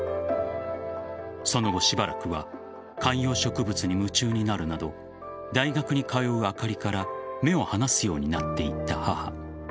その後、しばらくは観葉植物に夢中になるなど大学に通うあかりから目を離すようになっていった母。